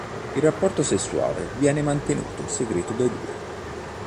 Il rapporto sessuale viene mantenuto segreto dai due.